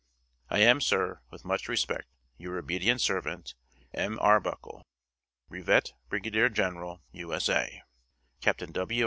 "I am, Sir, with much respect, Your obedient servant, M. ARBUCKLE, Brevet Brig. Gen'l, U. S. A. Capt. W.